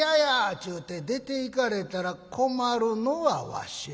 ちゅうて出ていかれたら困るのはわしや。